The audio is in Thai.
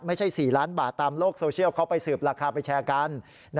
๔ล้านบาทตามโลกโซเชียลเขาไปสืบราคาไปแชร์กัน